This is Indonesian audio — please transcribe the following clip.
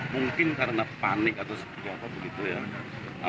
mungkin karena panik atau sebagainya